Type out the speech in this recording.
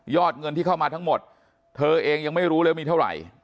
เงินที่เข้ามาทั้งหมดเธอเองยังไม่รู้เลยว่ามีเท่าไหร่